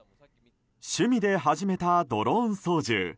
趣味で始めたドローン操縦。